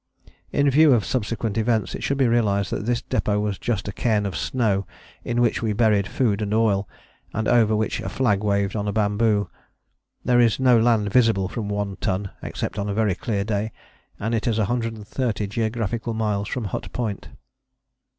In view of subsequent events it should be realized that this depôt was just a cairn of snow in which were buried food and oil, and over which a flag waved on a bamboo. There is no land visible from One Ton except on a very clear day and it is 130 geographical miles from Hut Point.